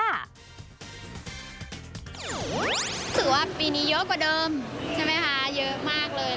ถือว่าปีนี้เยอะกว่าเดิมใช่ไหมคะเยอะมากเลย